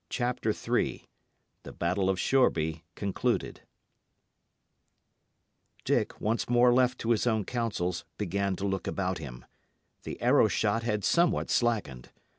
CHAPTER III THE BATTLE OF SHOREBY (Concluded) Dick, once more left to his own counsels, began to look about him. The arrow shot had somewhat slackened.